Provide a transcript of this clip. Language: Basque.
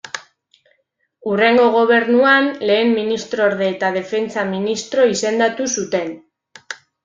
Hurrengo gobernuan, lehen ministrorde eta Defentsa ministro izendatu zuten.